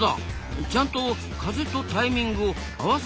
ちゃんと風とタイミングを合わせてるんですな。